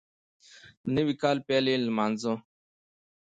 د نوي کال پیل یې لمانځه